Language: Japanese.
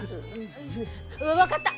分かった！